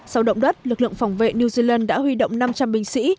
sau động đất lực lượng phòng vệ new zealand đã huy động năm trăm linh binh sĩ